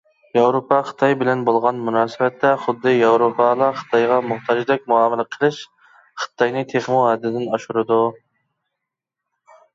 ياۋروپا خىتاي بىلەن بولغان مۇناسىۋەتتە، خۇددى ياۋروپالا خىتايغا موھتاجدەك مۇئامىلە قىلىش، خىتاينى تېخىمۇ ھەدىدىن ئاشۇرىدۇ.